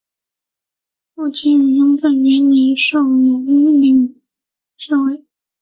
傅清于雍正元年授蓝翎侍卫。